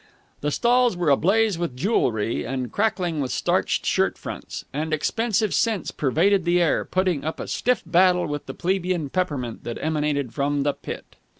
The stalls were ablaze with jewellery and crackling with starched shirt fronts; and expensive scents pervaded the air, putting up a stiff battle with the plebeian peppermint that emanated from the pit.